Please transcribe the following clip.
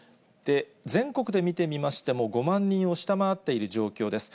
全国で見てみましても、５万人を下回っている状況です。